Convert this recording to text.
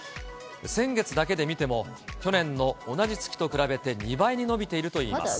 先月だけで見ても、去年の同じ月と比べて、２倍に伸びているといいます。